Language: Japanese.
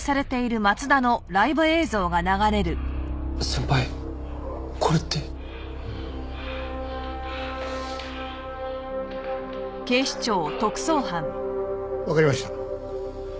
先輩これって。わかりました。